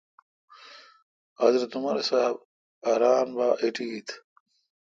حضرت عمر صاب ا ران با ایٹیت